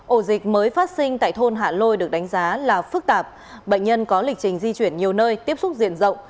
ổ dịch mới phát sinh tại thôn hạ lôi được đánh giá là phức tạp bệnh nhân có lịch trình di chuyển nhiều nơi tiếp xúc diện rộng